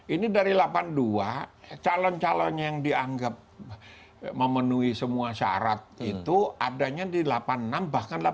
ini dari delapan puluh dua calon calon yang dianggap memenuhi semua syarat itu adanya di delapan puluh enam bahkan delapan puluh